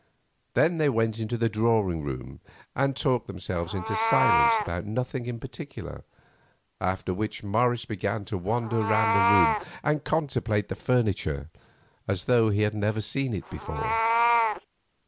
Then they went into the drawing room and talked themselves into silence about nothing in particular, after which Morris began to wander round the room and contemplate the furniture as though he had never seen it before.